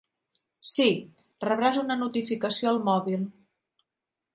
Sí, rebràs una notificació al mòbil.